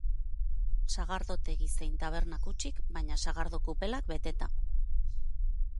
Sagardotegi zein tabernak hutsik, baina sagardo kupelak beteta.